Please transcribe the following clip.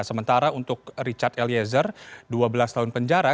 sementara untuk richard eliezer dua belas tahun penjara